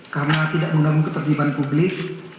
karena tidak menganggung ketergiban publik